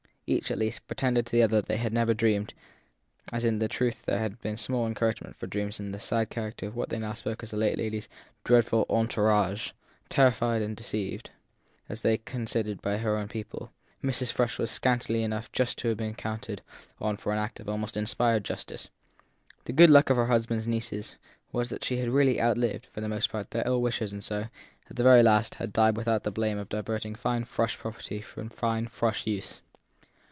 Each, at least, pretended to the other that she had never dreamed as in truth there had been small encouragement for dreams in the sad character of what they now spoke of as the late lady s dreadful entourage. Terrorised and deceived, as they con sidered, by her own people, Mrs. Frush was scantily enough to have been counted on for an act of almost inspired justice. The good luck of her husband s nieces was that she had really outlived, for the most part, their ill wishers and so, at the very last, had died without the blame of diverting fine Frush property from fine Frush use.